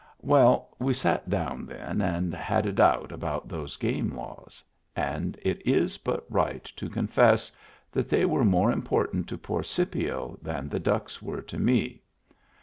Well, we sat down then and had it out about those game laws ; and it is but right to confess that they were more important to poor Scipio than the ducks were to me.